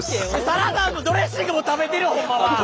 サラダドレッシングも食べてるわほんまは！